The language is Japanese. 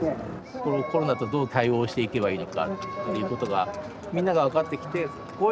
このコロナとどう対応していけばいいのかっていうことがみんなが分かってきてこういう時は対策はするけども